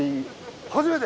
初めて？